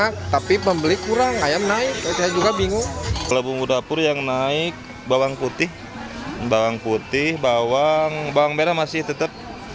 kalau bumbu dapur yang naik bawang putih bawang putih bawang bawang merah masih tetap